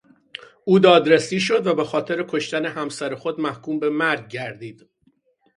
او دادرسی شد و به خاطر کشتن همسر خود محکوم به مرگ گردید.